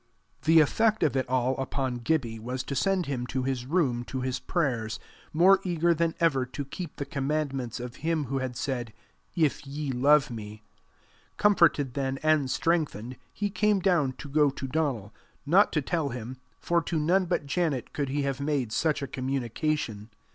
The effect of it all upon Gibbie was to send him to his room to his prayers, more eager than ever to keep the commandments of him who had said, If ye love me. Comforted then and strengthened, he came down to go to Donal not to tell him, for to none but Janet could he have made such a communication.